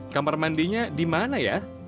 kamar mandinya di mana ya